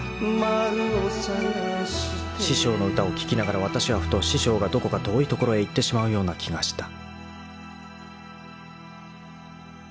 ［師匠の歌を聴きながらわたしはふと師匠がどこか遠い所へ行ってしまうような気がした］